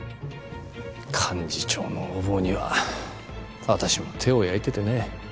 幹事長の横暴には私も手を焼いててね。